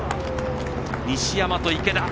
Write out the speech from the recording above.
西山と、池田。